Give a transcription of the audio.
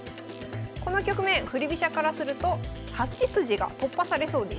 この局面振り飛車からすると８筋が突破されそうです。